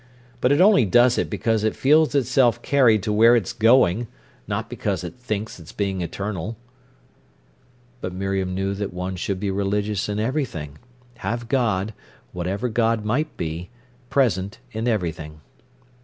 But it only does it because it feels itself carried to where it's going, not because it thinks it is being eternal." But Miriam knew that one should be religious in everything, have God, whatever God might be, present in everything.